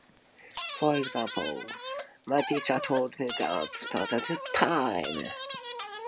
For example, my teacher told me off for not completing my homework on time.